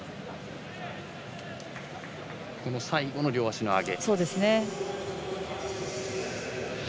最後の両足の上げ。